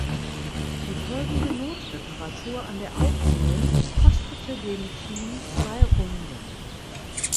Die folgende Notreparatur an der Aufhängung kostete dem Team zwei Runden.